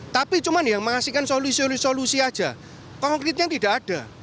tapi cuma yang menghasilkan solusi solusi solusi aja konfliknya tidak ada